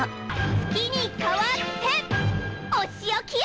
月に代わっておしおきよ！